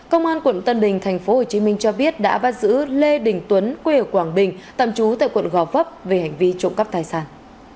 công an quận tân bình thành phố hồ chí minh cho biết đã vắt giữ lê đình tuấn quê ở quảng bình tạm trú tại quận gò vấp về hành vi trộm cắp tài sản